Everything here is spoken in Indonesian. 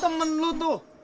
temen lu tuh